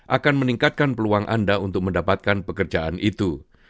akan meningkatkan peluang anda untuk mendapatkan pekerjaan itu